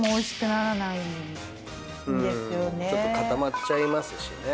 ちょっと固まっちゃいますしね。